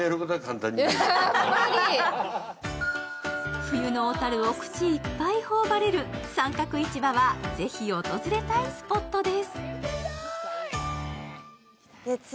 冬の小樽をお口いっぱい頬張れる三角市場はぜひ訪れたいスポットです。